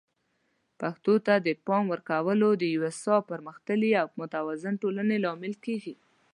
پښتو ته د پام ورکول د یو هوسا، پرمختللي او متوازن ټولنې لامل کیږي.